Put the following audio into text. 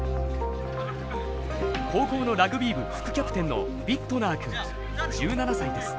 高校のラグビー部副キャプテンのビットナー君１７歳です。